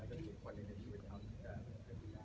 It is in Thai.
เดี๋ยวไปบอกหลังไมค์แล้วกันนะ